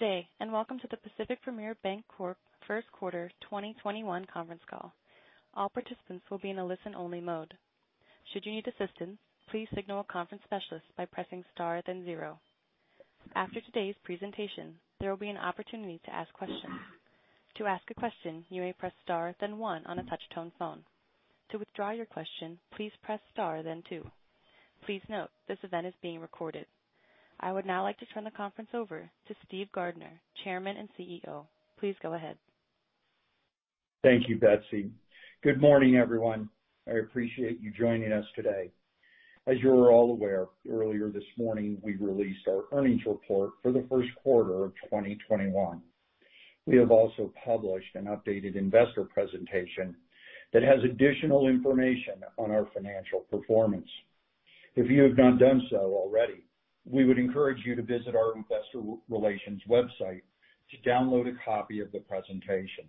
Good day, and welcome to the Pacific Premier Bancorp First Quarter 2021 Conference Call. All participants will be in a listen-only mode. Should you need assistance, please signal a conference specialist by pressing star then zero. After today's presentation, there will be an opportunity to ask questions. To ask a question, you may press star then one on a touch-tone phone. To withdraw your question, please press star then two. Please note, this event is being recorded. I would now like to turn the conference over to Steven Gardner, Chairman and CEO. Please go ahead. Thank you, Betsy. Good morning, everyone. I appreciate you joining us today. As you're all aware, earlier this morning, we released our earnings report for the first quarter of 2021. We have also published an updated investor presentation that has additional information on our financial performance. If you have not done so already, we would encourage you to visit our Investor Relations website to download a copy of the presentation.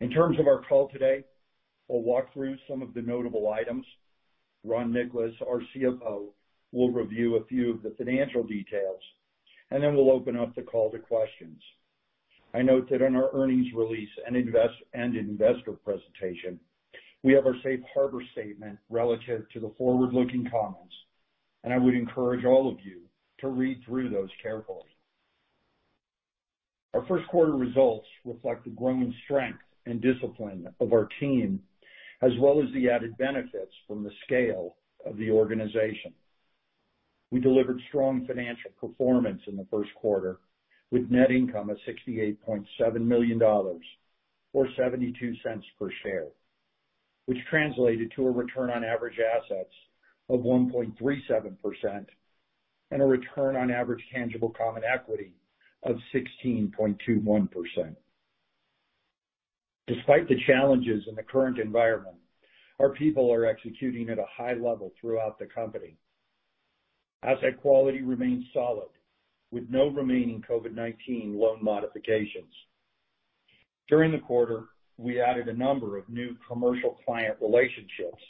In terms of our call today, we'll walk through some of the notable items. Ron Nicolas, our CFO, will review a few of the financial details, and then we'll open up the call to questions. I note that in our earnings release and investor presentation, we have our safe harbor statement relative to the forward-looking comments, and I would encourage all of you to read through those carefully. Our first quarter results reflect the growing strength and discipline of our team, as well as the added benefits from the scale of the organization. We delivered strong financial performance in the first quarter, with net income of $68.7 million, or $0.72 per share, which translated to a return on average assets of 1.37% and a return on average tangible common equity of 16.21%. Despite the challenges in the current environment, our people are executing at a high level throughout the company. Asset quality remains solid, with no remaining COVID-19 loan modifications. During the quarter, we added a number of new commercial client relationships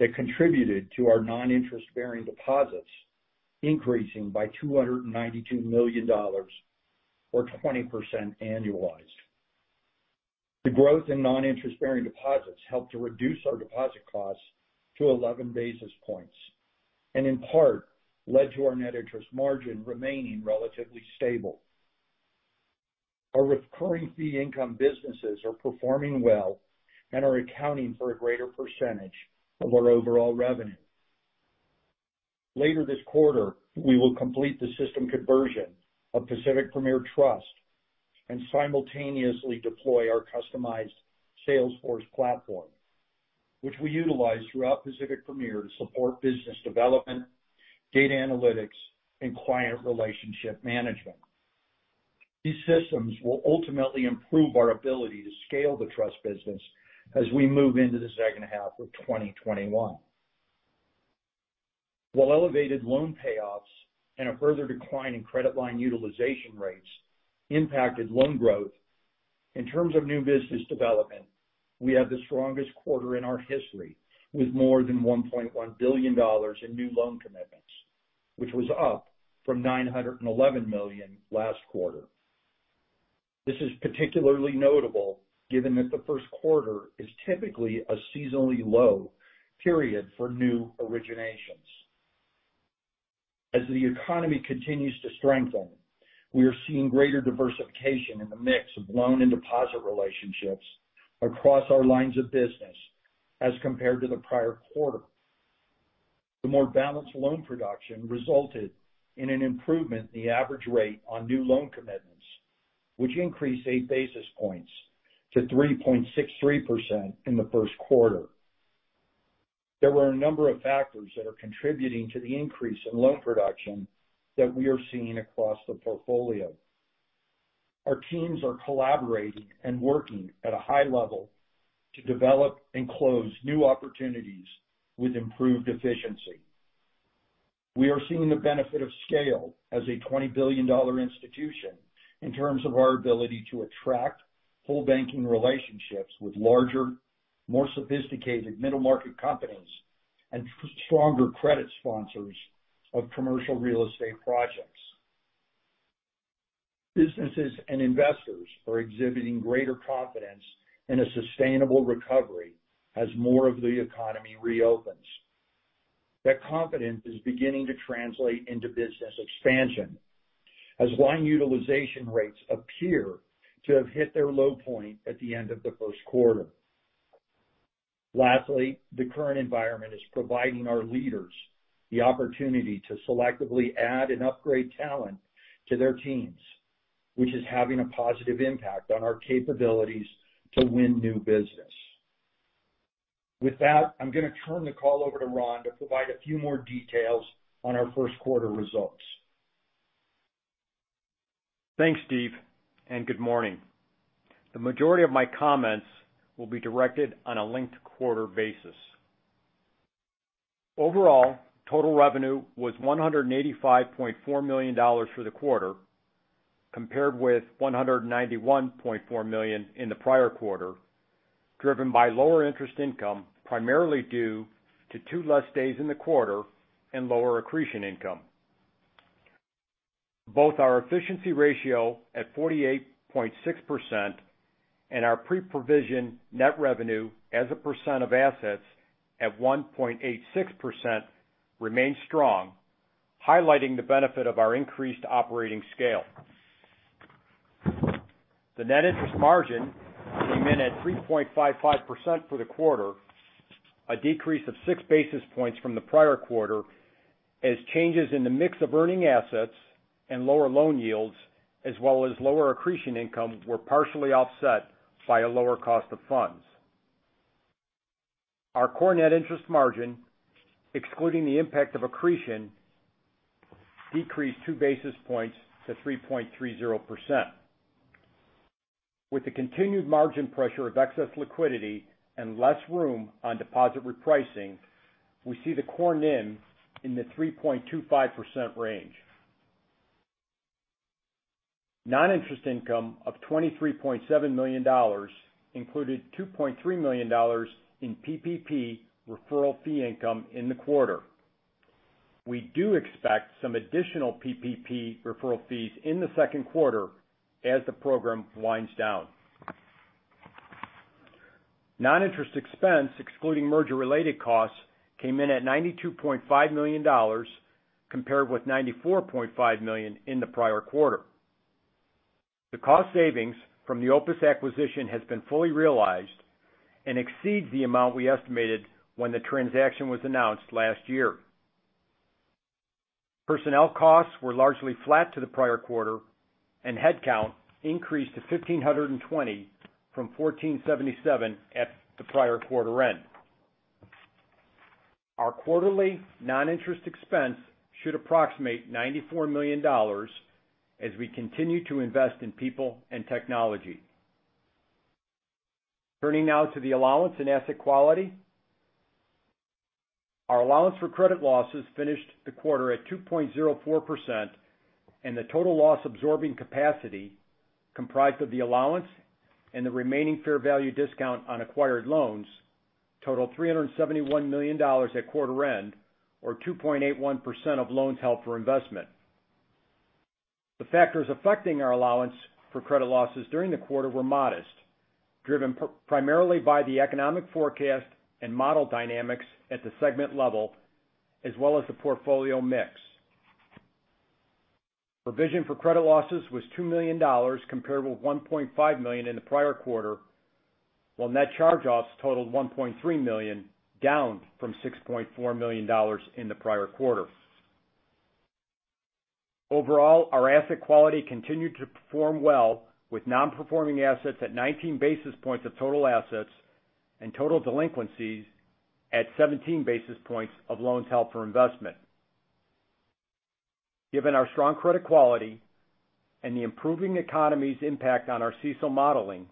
that contributed to our non-interest-bearing deposits increasing by $292 million, or 20% annualized. The growth in non-interest-bearing deposits helped to reduce our deposit costs to 11 basis points, and in part led to our net interest margin remaining relatively stable. Our recurring fee income businesses are performing well and are accounting for a greater percentage of our overall revenue. Later this quarter, we will complete the system conversion of Pacific Premier Trust and simultaneously deploy our customized Salesforce platform, which we utilize throughout Pacific Premier to support business development, data analytics, and client relationship management. These systems will ultimately improve our ability to scale the trust business as we move into the second half of 2021. While elevated loan payoffs and a further decline in credit line utilization rates impacted loan growth, in terms of new business development, we had the strongest quarter in our history with more than $1.1 billion in new loan commitments, which was up from $911 million last quarter. This is particularly notable given that the first quarter is typically a seasonally low period for new originations. As the economy continues to strengthen, we are seeing greater diversification in the mix of loan and deposit relationships across our lines of business as compared to the prior quarter. The more balanced loan production resulted in an improvement in the average rate on new loan commitments, which increased 8 basis points to 3.63% in the first quarter. There were a number of factors that are contributing to the increase in loan production that we are seeing across the portfolio. Our teams are collaborating and working at a high level to develop and close new opportunities with improved efficiency. We are seeing the benefit of scale as a $20 billion institution in terms of our ability to attract whole banking relationships with larger, more sophisticated middle-market companies and stronger credit sponsors of commercial real estate projects. Businesses and investors are exhibiting greater confidence in a sustainable recovery as more of the economy reopens. That confidence is beginning to translate into business expansion as line utilization rates appear to have hit their low point at the end of the first quarter. Lastly, the current environment is providing our leaders the opportunity to selectively add and upgrade talent to their teams, which is having a positive impact on our capabilities to win new business. With that, I'm going to turn the call over to Ron to provide a few more details on our first quarter results. Thanks, Steve, and good morning. The majority of my comments will be directed on a linked-quarter basis. Overall, total revenue was $185.4 million for the quarter, compared with $191.4 million in the prior quarter. Driven by lower interest income, primarily due to two less days in the quarter and lower accretion income. Both our efficiency ratio at 48.6% and our pre-provision net revenue as a percent of assets at 1.86% remain strong, highlighting the benefit of our increased operating scale. The net interest margin came in at 3.55% for the quarter, a decrease of 6 basis points from the prior quarter, as changes in the mix of earning assets and lower loan yields, as well as lower accretion income, were partially offset by a lower cost of funds. Our core net interest margin, excluding the impact of accretion, decreased 2 basis points to 3.30%. With the continued margin pressure of excess liquidity and less room on deposit repricing, we see the core NIM in the 3.25% range. Non-interest income of $23.7 million included $2.3 million in PPP referral fee income in the quarter. We do expect some additional PPP referral fees in the second quarter as the program winds down. Non-interest expense, excluding merger-related costs, came in at $92.5 million, compared with $94.5 million in the prior quarter. The cost savings from the Opus acquisition has been fully realized and exceeds the amount we estimated when the transaction was announced last year. Personnel costs were largely flat to the prior quarter, and headcount increased to 1,520 from 1,477 at the prior quarter end. Our quarterly non-interest expense should approximate $94 million as we continue to invest in people and technology. Turning now to the allowance and asset quality. Our allowance for credit losses finished the quarter at 2.04%, and the total loss-absorbing capacity, comprised of the allowance and the remaining fair value discount on acquired loans, totaled $371 million at quarter end, or 2.81% of loans held for investment. The factors affecting our allowance for credit losses during the quarter were modest, driven primarily by the economic forecast and model dynamics at the segment level as well as the portfolio mix. Provision for credit losses was $2 million compared with $1.5 million in the prior quarter, while net charge-offs totaled $1.3 million, down from $6.4 million in the prior quarter. Overall, our asset quality continued to perform well with non-performing assets at 19 basis points of total assets and total delinquencies at 17 basis points of loans held for investment. Given our strong credit quality and the improving economy's impact on our CECL modeling,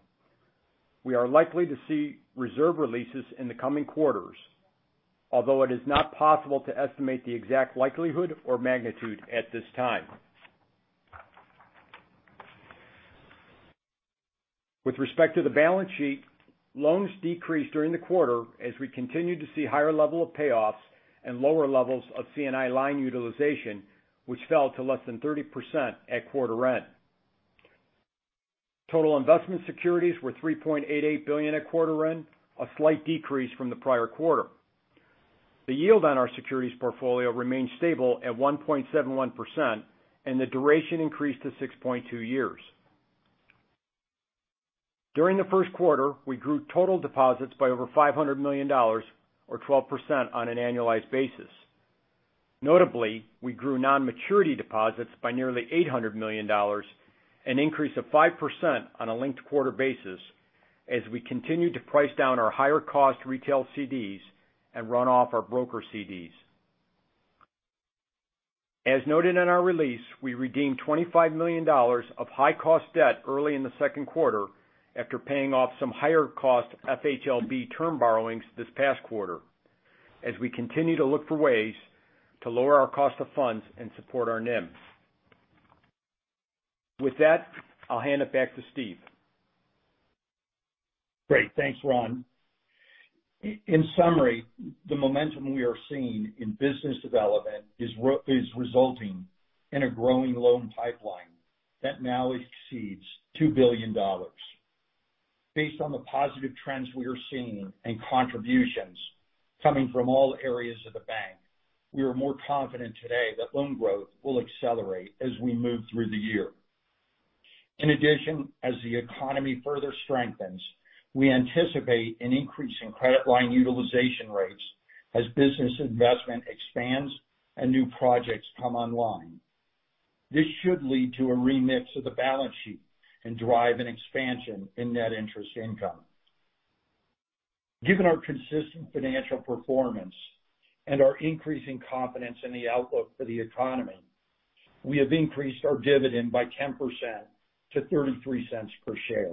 we are likely to see reserve releases in the coming quarters, although it is not possible to estimate the exact likelihood or magnitude at this time. With respect to the balance sheet, loans decreased during the quarter as we continued to see higher level of payoffs and lower levels of C&I line utilization, which fell to less than 30% at quarter end. Total investment securities were $3.88 billion at quarter end, a slight decrease from the prior quarter. The yield on our securities portfolio remained stable at 1.71%, and the duration increased to 6.2 years. During the first quarter, we grew total deposits by over $500 million, or 12% on an annualized basis. Notably, we grew non-maturity deposits by nearly $800 million, an increase of 5% on a linked-quarter basis, as we continued to price down our higher-cost retail CDs and run off our broker CDs. As noted in our release, we redeemed $25 million of high-cost debt early in the second quarter after paying off some higher-cost FHLB term borrowings this past quarter as we continue to look for ways to lower our cost of funds and support our NIMs. With that, I'll hand it back to Steve. Great. Thanks, Ron. In summary, the momentum we are seeing in business development is resulting in a growing loan pipeline that now exceeds $2 billion. Based on the positive trends we are seeing and contributions coming from all areas of the bank, we are more confident today that loan growth will accelerate as we move through the year. In addition, as the economy further strengthens, we anticipate an increase in credit line utilization rates as business investment expands and new projects come online. This should lead to a remix of the balance sheet and drive an expansion in net interest income. Given our consistent financial performance and our increasing confidence in the outlook for the economy, we have increased our dividend by 10% to $0.33 per share.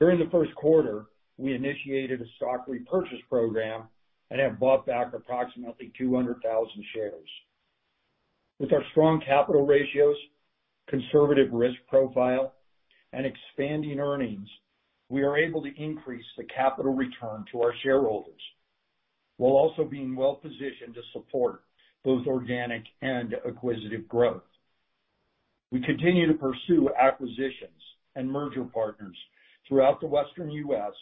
During the first quarter, we initiated a stock repurchase program and have bought back approximately 200,000 shares. With our strong capital ratios, conservative risk profile, and expanding earnings, we are able to increase the capital return to our shareholders, while also being well-positioned to support both organic and acquisitive growth. We continue to pursue acquisitions and merger partners throughout the Western U.S.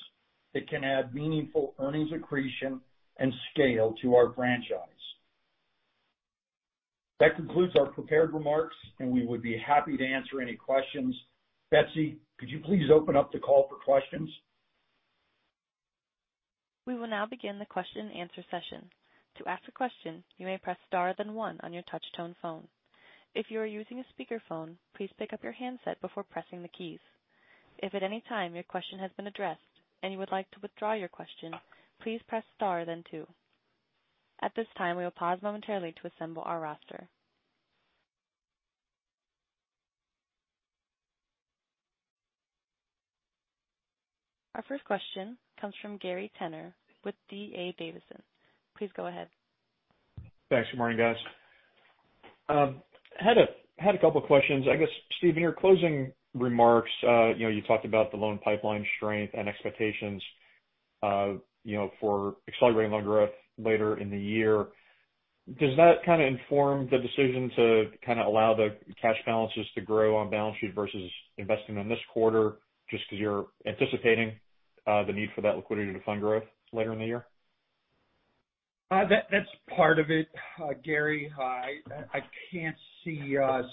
that can add meaningful earnings accretion and scale to our franchise. That concludes our prepared remarks, and we would be happy to answer any questions. Betsy, could you please open up the call for questions? Our first question comes from Gary Tenner with D.A. Davidson. Please go ahead. Thanks. Good morning, guys. Had a couple of questions. I guess, Steve, in your closing remarks, you talked about the loan pipeline strength and expectations for accelerating loan growth later in the year. Does that kind of inform the decision to kind of allow the cash balances to grow on balance sheet versus investing them this quarter, just because you're anticipating the need for that liquidity to fund growth later in the year? That's part of it, Gary. I can't see us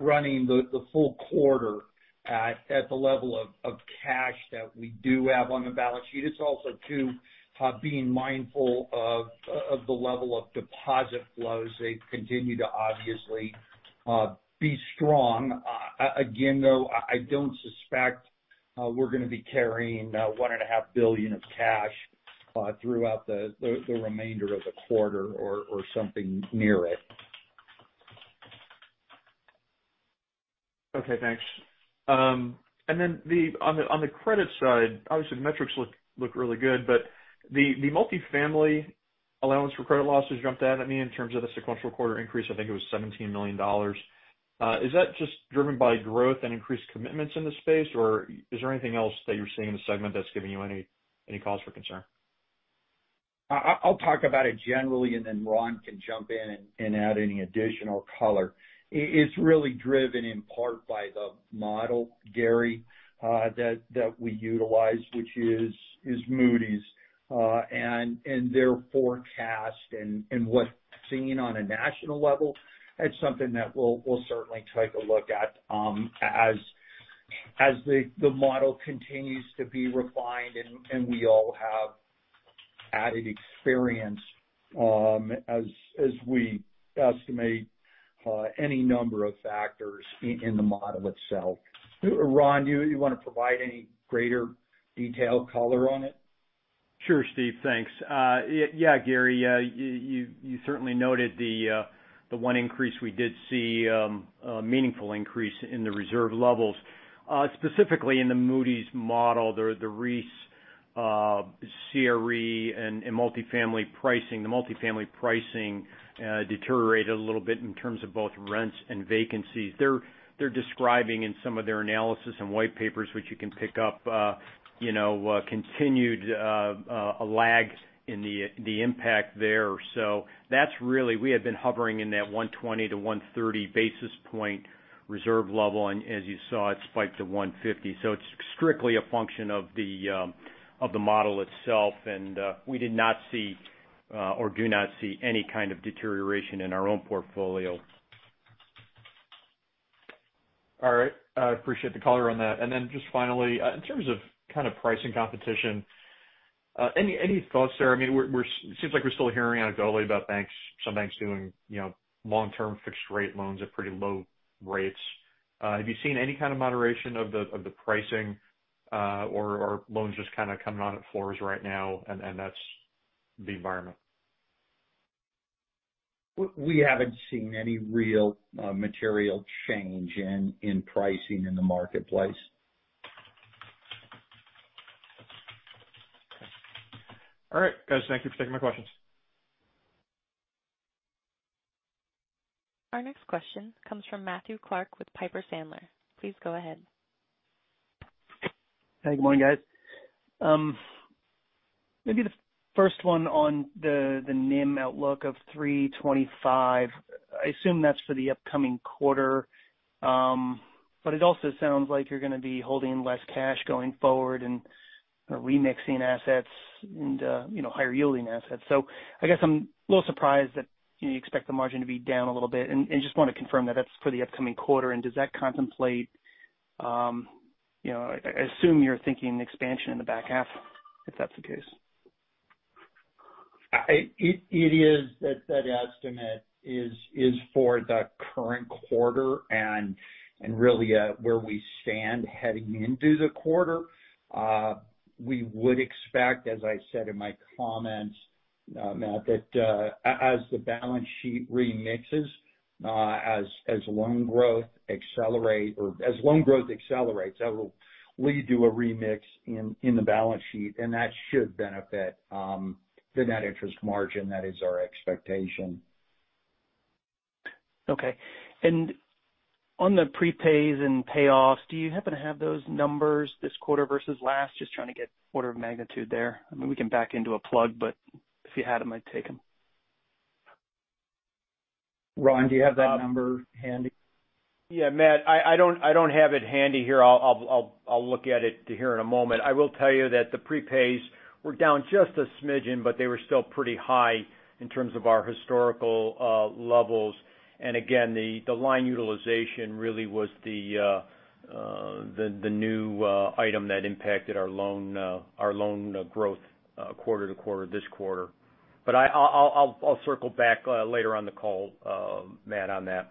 running the full quarter at the level of cash that we do have on the balance sheet. It's also, too, being mindful of the level of deposit flows. They continue to obviously be strong. Again, though, I don't suspect we're going to be carrying $1.5 billion of cash throughout the remainder of the quarter or something near it. Okay, thanks. On the credit side, obviously metrics look really good, but the multifamily allowance for credit losses jumped out at me in terms of the sequential quarter increase. I think it was $17 million. Is that just driven by growth and increased commitments in the space, or is there anything else that you're seeing in the segment that's giving you any cause for concern? I'll talk about it generally, and then Ron can jump in and add any additional color. It's really driven in part by the model, Gary, that we utilize, which is Moody's and their forecast and what's seen on a national level. That's something that we'll certainly take a look at as the model continues to be refined and we all have added experience as we estimate any number of factors in the model itself. Ron, do you want to provide any greater detail color on it? Sure, Steve. Thanks. Yeah, Gary, you certainly noted the one increase we did see, a meaningful increase in the reserve levels. Specifically, in the Moody's model, the REIS CRE and multifamily pricing deteriorated a little bit in terms of both rents and vacancies. They're describing in some of their analysis and white papers, which you can pick up, continued lags in the impact there. That's really, we had been hovering in that 120-130 basis point reserve level, and as you saw, it spiked to 150. It's strictly a function of the model itself. We did not see or do not see any kind of deterioration in our own portfolio. All right. I appreciate the color on that. Just finally, in terms of kind of pricing competition, any thoughts there? It seems like we're still hearing anecdotally about some banks doing long-term fixed rate loans at pretty low rates. Have you seen any kind of moderation of the pricing or are loans just kind of coming on at floors right now and that's the environment? We haven't seen any real material change in pricing in the marketplace. All right. Guys, thank you for taking my questions. Our next question comes from Matthew Clark with Piper Sandler. Please go ahead. Hey, good morning, guys. Maybe the first one on the NIM outlook of 3.25%. It also sounds like you're going to be holding less cash going forward and remixing assets and higher yielding assets. I guess I'm a little surprised that you expect the margin to be down a little bit and just want to confirm that that's for the upcoming quarter. I assume you're thinking expansion in the back half, if that's the case. That estimate is for the current quarter and really where we stand heading into the quarter. We would expect, as I said in my comments, Matt, that as the balance sheet remixes, as loan growth accelerates, that will lead to a remix in the balance sheet, and that should benefit the net interest margin. That is our expectation. Okay. On the prepays and payoffs, do you happen to have those numbers this quarter versus last? Just trying to get order of magnitude there. I mean, we can back into a plug, but if you had them, I'd take them. Ron, do you have that number handy? Yeah, Matt, I don't have it handy here. I'll look at it here in a moment. I will tell you that the prepays were down just a smidgen, but they were still pretty high in terms of our historical levels. Again, the line utilization really was the new item that impacted our loan growth quarter to quarter this quarter. I'll circle back later on the call, Matt, on that.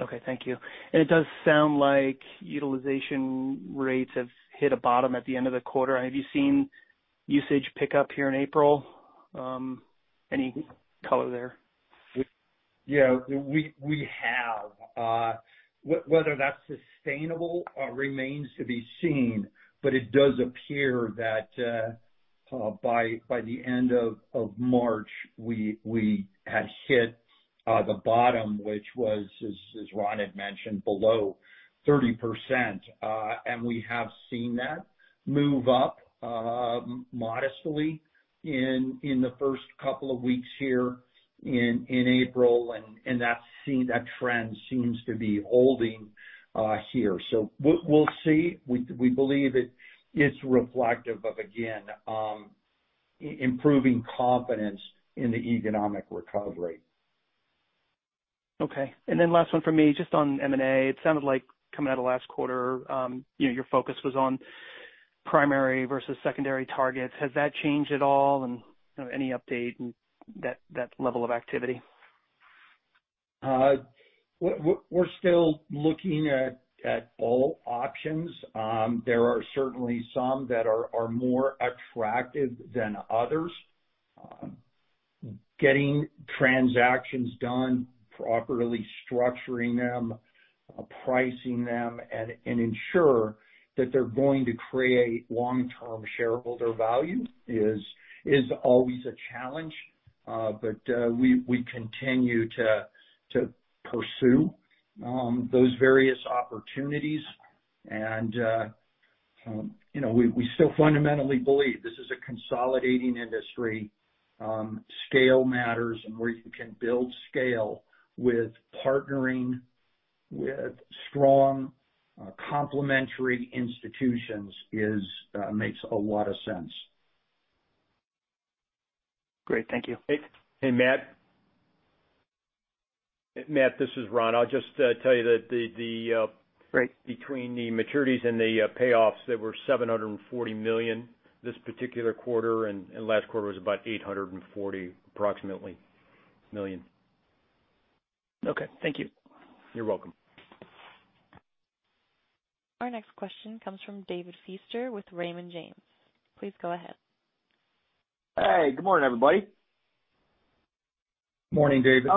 Okay. Thank you. It does sound like utilization rates have hit a bottom at the end of the quarter. Have you seen usage pick up here in April? Any color there? Yeah, we have. Whether that's sustainable remains to be seen. It does appear that by the end of March, we had hit the bottom, which was, as Ron had mentioned, below 30%. We have seen that move up modestly in the first couple of weeks here in April, and that trend seems to be holding here. We'll see. We believe it is reflective of, again, improving confidence in the economic recovery. Okay. Last one from me, just on M&A. It sounded like coming out of last quarter, your focus was on primary versus secondary targets. Has that changed at all? Any update on that level of activity? We're still looking at all options. There are certainly some that are more attractive than others. Getting transactions done, properly structuring them, pricing them, and ensure that they're going to create long-term shareholder value is always a challenge. We continue to pursue those various opportunities. We still fundamentally believe this is a consolidating industry. Scale matters and where you can build scale with partnering with strong complementary institutions makes a lot of sense. Great. Thank you. Hey, Matt. Matt, this is Ron. Right between the maturities and the payoffs, they were $740 million this particular quarter, and last quarter was about $840, approximately, million. Okay. Thank you. You're welcome. Our next question comes from David Feaster with Raymond James. Please go ahead. Hey, good morning, everybody. Morning, David.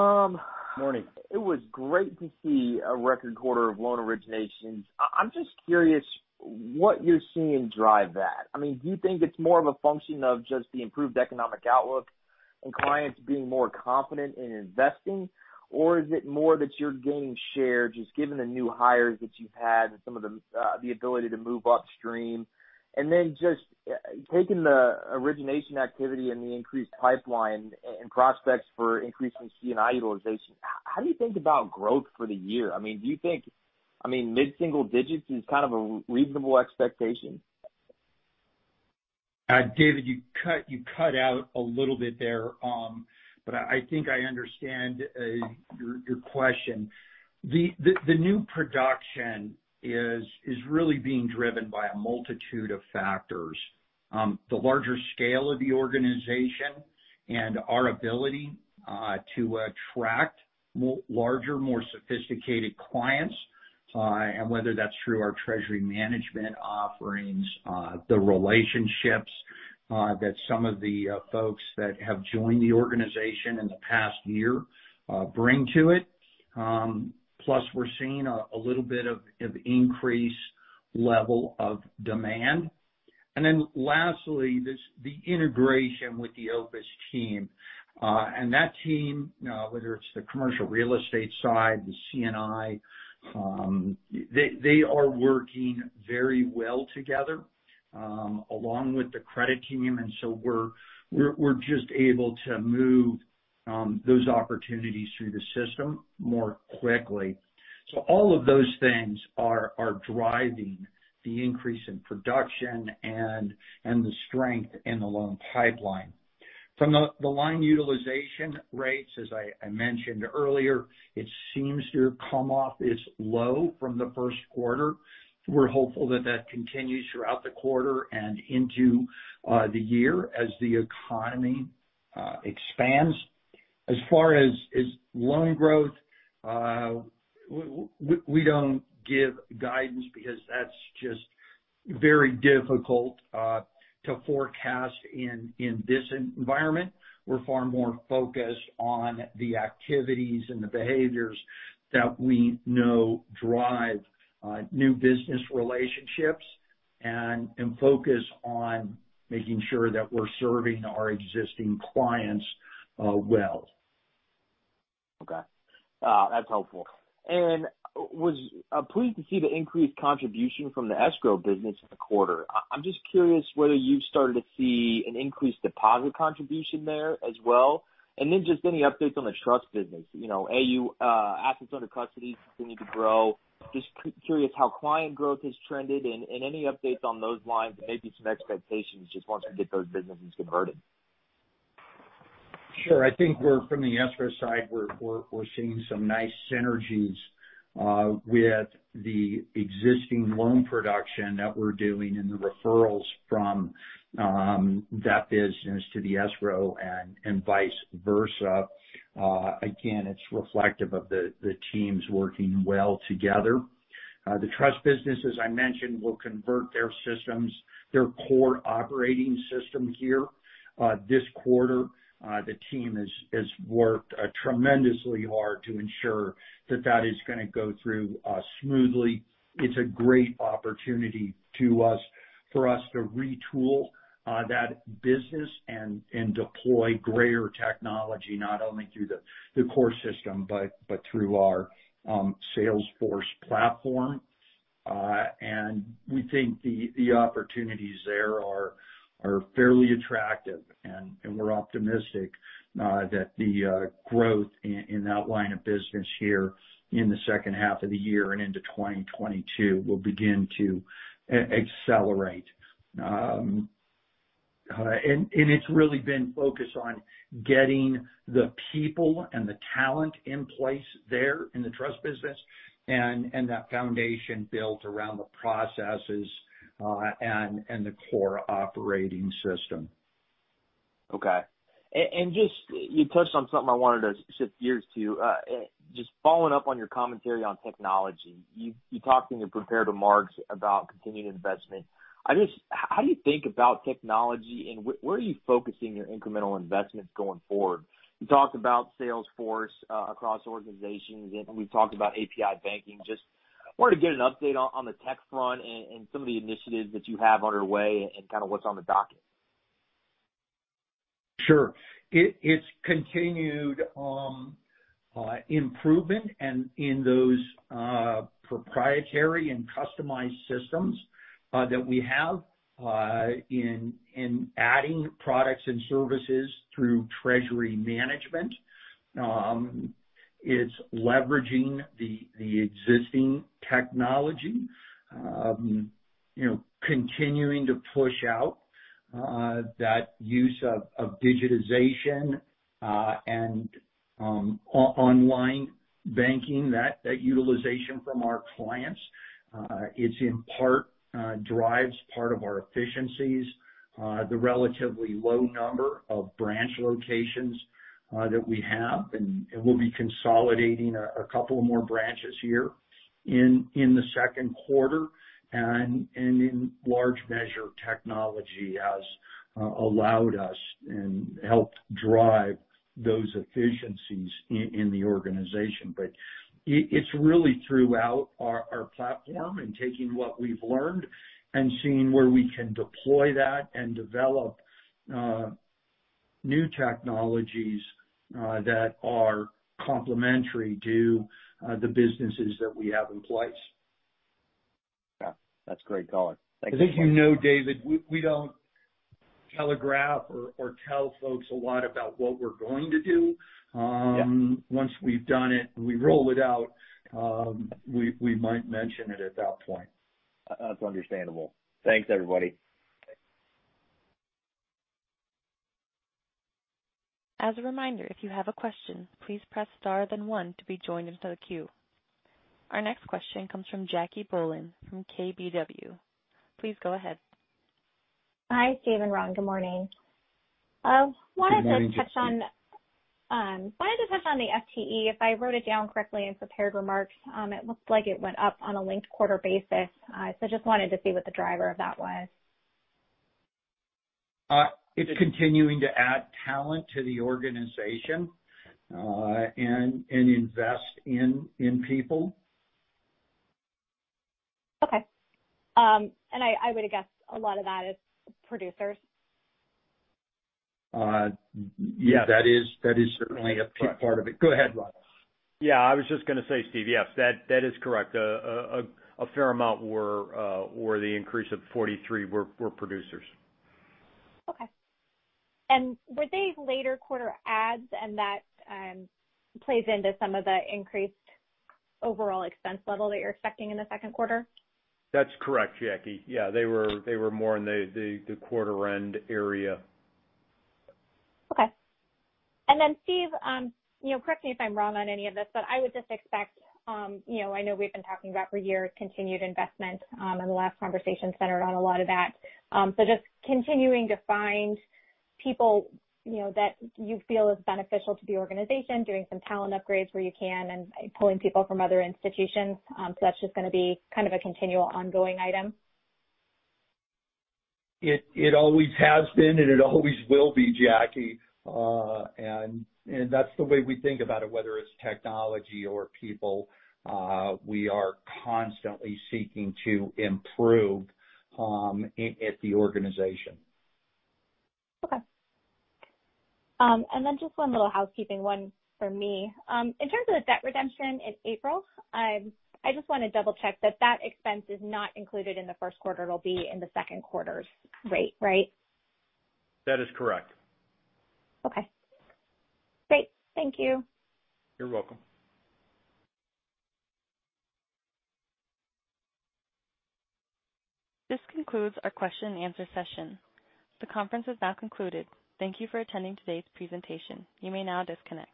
Morning. It was great to see a record quarter of loan originations. I'm just curious what you're seeing drive that. I mean, do you think it's more of a function of just the improved economic outlook and clients being more confident in investing? Is it more that you're gaining share just given the new hires that you've had and some of the ability to move upstream? Just taking the origination activity and the increased pipeline and prospects for increasing C&I utilization, how do you think about growth for the year? I mean, do you think mid-single digits is kind of a reasonable expectation? David, you cut out a little bit there. I think I understand your question. The new production is really being driven by a multitude of factors. The larger scale of the organization and our ability to attract larger, more sophisticated clients, and whether that's through our treasury management offerings, the relationships that some of the folks that have joined the organization in the past year bring to it. We're seeing a little bit of increase level of demand. Lastly, the integration with the Opus team. That team, whether it's the commercial real estate side, the C&I, they are working very well together along with the credit team. We're just able to move those opportunities through the system more quickly. All of those things are driving the increase in production and the strength in the loan pipeline. From the line utilization rates, as I mentioned earlier, it seems to have come off its low from the first quarter. We're hopeful that that continues throughout the quarter and into the year as the economy expands. As far as loan growth, we don't give guidance because that's very difficult to forecast in this environment. We're far more focused on the activities and the behaviors that we know drive new business relationships and focus on making sure that we're serving our existing clients well. Okay. That's helpful. Was pleased to see the increased contribution from the escrow business in the quarter. I'm just curious whether you've started to see an increased deposit contribution there as well, and then just any updates on the trust business. AU, assets under custody, continue to grow. Just curious how client growth has trended and any updates on those lines and maybe some expectations just once you get those businesses converted. Sure. I think from the escrow side, we're seeing some nice synergies with the existing loan production that we're doing and the referrals from that business to the escrow and vice versa. Again, it's reflective of the teams working well together. The trust business, as I mentioned, will convert their systems, their core operating system here. This quarter, the team has worked tremendously hard to ensure that that is going to go through smoothly. It's a great opportunity to us, for us to retool that business and deploy greater technology, not only through the core system, but through our Salesforce platform. We think the opportunities there are fairly attractive, and we're optimistic that the growth in that line of business here in the second half of the year and into 2022 will begin to accelerate. It's really been focused on getting the people and the talent in place there in the trust business and that foundation built around the processes, and the core operating system. Okay. You touched on something I wanted to shift gears to. Just following up on your commentary on technology. You talked in your prepared remarks about continued investment. How do you think about technology, and where are you focusing your incremental investments going forward? You talked about Salesforce across organizations, and we've talked about API banking. Just wanted to get an update on the tech front and some of the initiatives that you have underway and kind of what's on the docket. Sure. It's continued improvement and in those proprietary and customized systems that we have in adding products and services through treasury management. It's leveraging the existing technology. Continuing to push out that use of digitization and online banking, that utilization from our clients. It in part drives part of our efficiencies, the relatively low number of branch locations that we have, and we'll be consolidating a couple more branches here in the second quarter. In large measure, technology has allowed us and helped drive those efficiencies in the organization. It's really throughout our platform and taking what we've learned and seeing where we can deploy that and develop new technologies that are complementary to the businesses that we have in place. Yeah, that's great color. Thank you. As you know, David, we don't telegraph or tell folks a lot about what we're going to do. Yeah. Once we've done it, we roll it out. We might mention it at that point. That's understandable. Thanks, everybody. As a reminder, if you have a question, please press star then one to be joined into the queue. Our next question comes from Jackie Bohlen from KBW. Please go ahead. Hi, Steve and Ron. Good morning. Good morning, Jackie. Wanted to touch on the FTE. If I wrote it down correctly in prepared remarks, it looks like it went up on a linked quarter basis. Just wanted to see what the driver of that was. It's continuing to add talent to the organization, and invest in people. Okay. I would guess a lot of that is producers. Yes. That is certainly a part of it. Go ahead, Ron. Yeah, I was just going to say, Steve, yes, that is correct. A fair amount or the increase of 43 were producers. Okay. Were they later quarter adds and that plays into some of the increased overall expense level that you're expecting in the second quarter? That's correct, Jackie. Yeah, they were more in the quarter end area. Okay. Steve, correct me if I'm wrong on any of this, but I would just expect, I know we've been talking about for years continued investment, and the last conversation centered on a lot of that. Just continuing to find people that you feel is beneficial to the organization, doing some talent upgrades where you can and pulling people from other institutions. That's just going to be kind of a continual ongoing item? It always has been, and it always will be, Jackie. That's the way we think about it, whether it's technology or people. We are constantly seeking to improve at the organization. Okay. Then just one little housekeeping one for me. In terms of the debt redemption in April, I just want to double-check that that expense is not included in the first quarter. It'll be in the second quarter's rate, right? That is correct. Okay. Great. Thank you. You're welcome. This concludes our question-and-answer session. The conference is now concluded. Thank you for attending today's presentation. You may now disconnect.